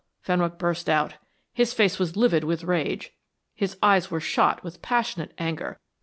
Fenwick burst out. His face was livid with rage, his eyes were shot with passionate anger.